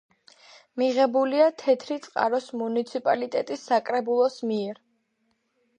მიღებულია თეთრი წყაროს მუნიციპალიტეტის საკრებულოს მიერ.